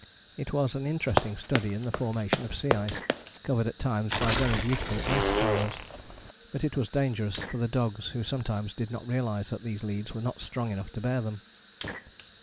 It was an interesting study in the formation of sea ice, covered at times by very beautiful ice flowers. But it was dangerous for the dogs, who sometimes did not realize that these leads were not strong enough to bear them.